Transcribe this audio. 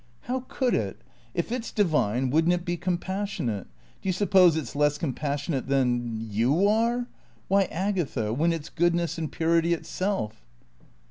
"How could it? If it's divine, wouldn't it be compassionate? Do you suppose it's less compassionate than you are? Why, Agatha, when it's goodness and purity itself